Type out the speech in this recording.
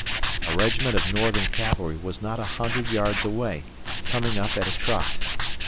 A regiment of Northern cavalry was not a hundred yards away, coming up at a trot.